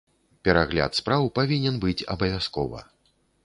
Перагляд спраў павінен быць абавязкова.